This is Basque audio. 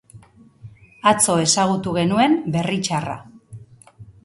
Atzo ezagutu genuen berri txarra.